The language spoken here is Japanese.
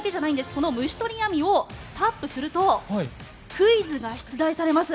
この虫捕り網をタップするとクイズが出題されます。